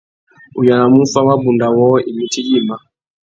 U yānamú u fá wabunda wôō imití yïmá.